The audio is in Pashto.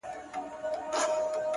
په رڼا كي يې پر زړه ځانمرگى وسي،